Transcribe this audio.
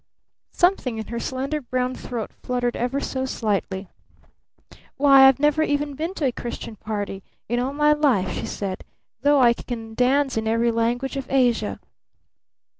Something in her slender brown throat fluttered ever so slightly. "Why, I've never even been to a Christian party in all my life!" she said. "Though I can dance in every language of Asia!